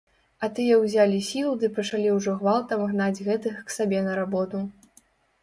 А тыя ўзялі сілу ды пачалі ўжо гвалтам гнаць гэтых к сабе на работу.